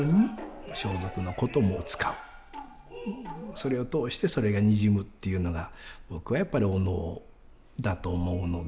それを通してそれがにじむっていうのが僕はやっぱりお能だと思うので。